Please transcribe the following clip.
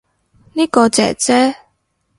呢個姐姐